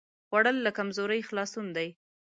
خوړل له کمزورۍ خلاصون دی